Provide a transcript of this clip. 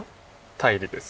泰理です。